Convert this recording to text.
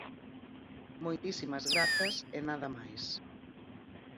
Moitísimas grazas e nada máis.